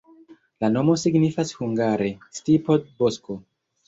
La nomo signifas hungare: stipo-bosko.